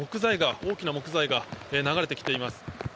大きな木材が流れてきています。